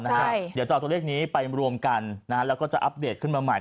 เดี๋ยวจะเอาตัวเลขนี้ไปรวมกันแล้วก็จะอัปเดตขึ้นมาใหม่